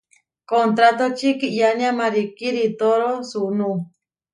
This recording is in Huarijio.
Kontrátoči kiyánia marikí ritoro sunú.